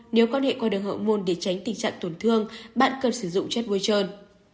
nếu quan hệ qua đường hậu môn để tránh tình trạng tổn thương bạn cần sử dụng chất bôi trơn